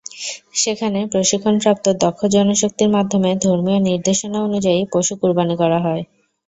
সেখানে প্রশিক্ষণপ্রাপ্ত দক্ষ জনশক্তির মাধ্যমে ধর্মীয় নির্দেশনা অনুযায়ী পশু কোরবানি করা হয়।